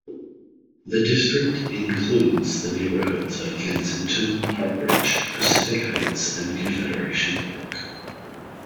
The district includes the neighbourhoods of Kensington, Parkridge, Pacific Heights and Confederation Park.